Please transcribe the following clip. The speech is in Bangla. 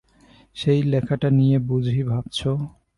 সেই লেখাটা নিয়ে বুঝি ভাবছ?